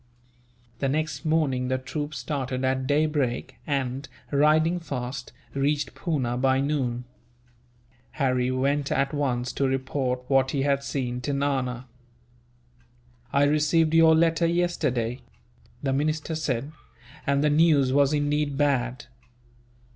The next morning the troop started at daybreak and, riding fast, reached Poona by noon. Harry went at once to report what he had seen to Nana. "I received your letter yesterday," the minister said, "and the news was indeed bad.